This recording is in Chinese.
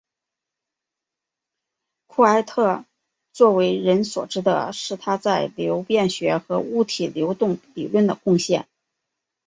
库埃特最为人所知的是他在流变学和流体流动理论的贡献。